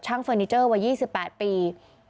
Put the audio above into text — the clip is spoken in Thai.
ช่างเฟอร์นิเจอร์วัยยี่สิบแปดปี